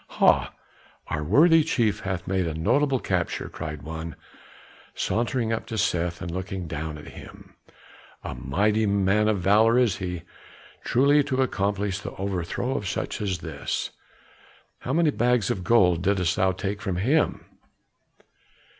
"Ha! our worthy chief hath made a notable capture," cried one, sauntering up to Seth and looking down at him. "A mighty man of valor is he truly to accomplish the overthrow of such as this. How many bags of gold didst thou take from him?"